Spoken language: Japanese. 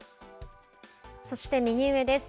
そして右上です。